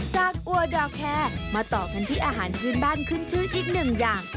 อัวดอกแคร์มาต่อกันที่อาหารพื้นบ้านขึ้นชื่ออีกหนึ่งอย่าง